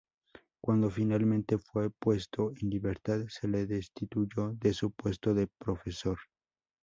Cuando finalmente fue puesto en libertad, se le destituyó de su puesto de profesor.